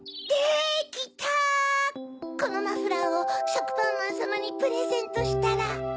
このマフラーをしょくぱんまんさまにプレゼントしたら。